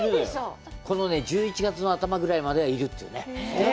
この１１月の頭ぐらいまではいるというね。